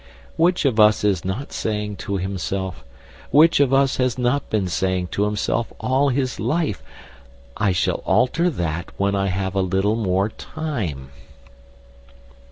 Which of us is not saying to himself which of us has not been saying to himself all his life: "I shall alter that when I have a little more time"?